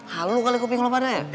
hal lu kali kuping lu pada ya